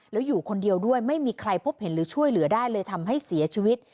แล้วอยู่คนเดียวด้วยไม่มีใครพบเห็นหรือช่วยเหลือได้เลยทำให้เสียชีวิต